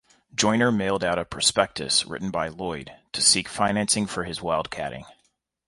Joiner mailed out a prospectus written by Lloyd to seek financing for his wildcatting.